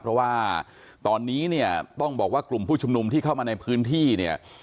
เพราะว่าตอนนี้เนี่ยต้องบอกว่ากลุ่มผู้ชุมนุมที่เข้ามาในพื้นที่เนี่ย